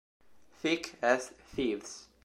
Thick as Thieves